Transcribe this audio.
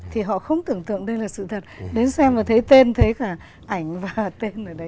thì họ không tưởng tượng đây là sự thật